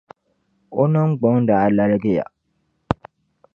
O ningbung daa laligiya.